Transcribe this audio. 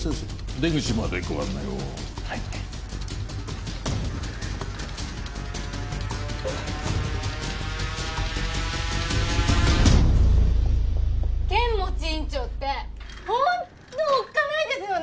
出口までご案内をはい剣持院長ってホントおっかないですよね